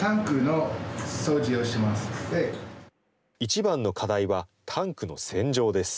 一番の課題はタンクの洗浄です。